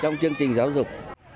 trong chương trình giáo dục